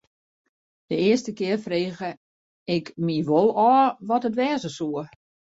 De earste kear frege ik my wol ôf wat it wêze soe.